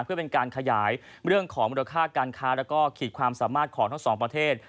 เพื่อเป็นการขยายเรื่องของมูลค่าการค้าแล้วก็ขีดความสามารถของทั้งสองประเทศ